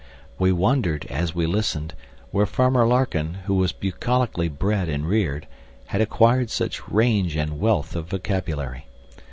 We wondered, as we listened, where Farmer Larkin, who was bucolically bred and reared, had acquired such range and wealth of vocabulary.